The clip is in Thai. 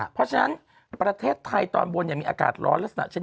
เพราะฉะนั้นประเทศไทยตอนบนยังมีอากาศร้อนและสนักชนิด